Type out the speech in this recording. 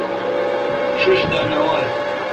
ݭݭ دا نہ وال۔